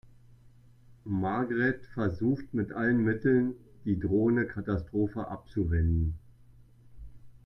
Margret versucht mit allen Mitteln, die drohende Katastrophe abzuwenden.